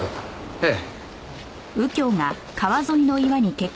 ええ。